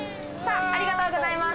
ありがとうございます。